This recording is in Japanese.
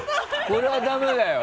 これはダメだよ。